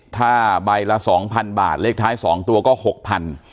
ถ้าใบละสองพันบาทเลขท้าย๒ตัวก็หกพัน